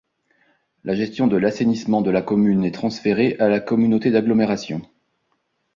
La gestion de l'assainissement de la commune est transférée à la communauté d'agglomération.